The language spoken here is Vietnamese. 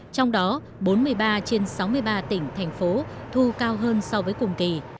trong đó bốn mươi ba trên sáu mươi ba tỉnh thành phố thu cao hơn so với cùng kỳ